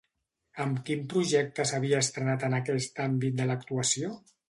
Amb quin projecte s'havia estrenat en aquest àmbit de l'actuació?